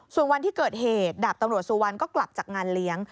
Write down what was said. ส่วนวันที่เกิดเหตุดาบตำรวจสุวรรณก็กลับจากงานเลี้ยง